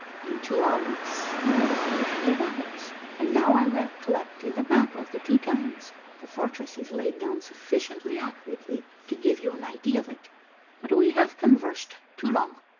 "In two hours you will be within the walls; and now I recollect, in the map of the two towns, the fortress is laid down sufficiently accurately to give you an idea of it. But we have conversed too long."